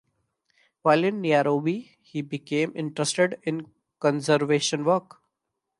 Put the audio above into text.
While in Nairobi he became interested in conservation work.